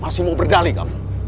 masih mau berdali kamu